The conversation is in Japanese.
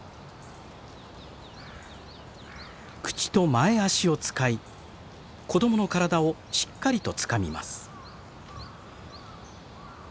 口と前足を使い子供の体をしっかりとつかみます。